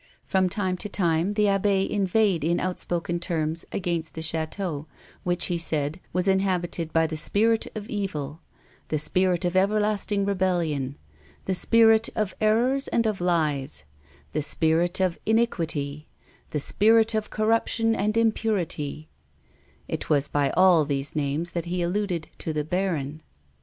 From time to time the abbe inveighed in outspoken terms against the chateau, which, he said, was inhabited by the Spirit of Evil, the Spirit of Everlasting Eebellion, the Spirit of Errors and of Lies, the Spirit of Iniquity, the Spirit of Corruption and Impurity ; it was by all these names that he alluded to the baron.